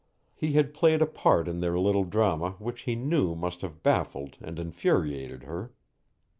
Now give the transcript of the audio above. He had played a part in their little drama which he knew must have baffled and infuriated her.